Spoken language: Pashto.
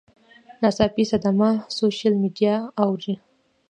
ناڅاپي صدمه ، سوشل میډیا اوور